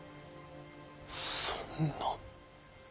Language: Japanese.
そんな。